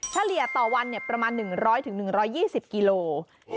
เฉลี่ยต่อวันประมาณ๑๐๐๑๒๐กิโล